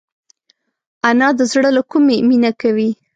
انا د زړه له کومي مینه کوي